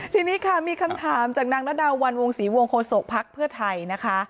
ทีนี้ค่ะมีคำถามจากนางระดาวันวงศรีวงโฆษกภักดิ์เพื่อไทยนะคะ